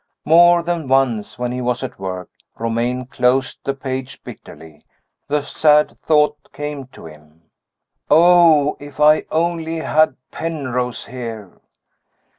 More than once, when he was at work, Romayne closed the page bitterly; the sad thought came to him, "Oh, if I only had Penrose here!"